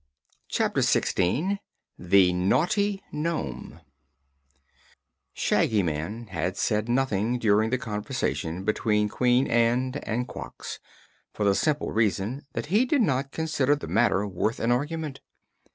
Chapter Sixteen The Naughty Nome Shaggy Man had said nothing during the conversation between Queen Ann and Quox, for the simple reason that he did not consider the matter worth an argument.